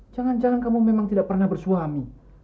jangan jangan kamu memang tidak pernah bersuami